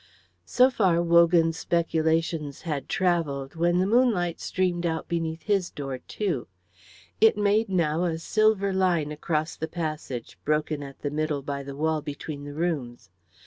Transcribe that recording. So far Wogan's speculations had travelled when the moonlight streamed out beneath his door too. It made now a silver line across the passage broken at the middle by the wall between the rooms.